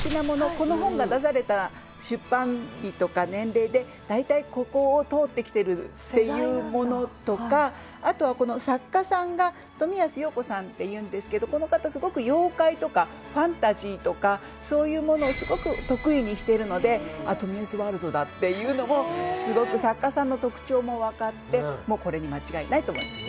この本が出された出版日とか年齢で大体ここを通ってきてるっていうものとかあとはこの作家さんがこの方すごく妖怪とかファンタジーとかそういうものをすごく得意にしているので富安ワールドだっていうのもすごく作家さんの特徴も分かってこれに間違いないと思いました。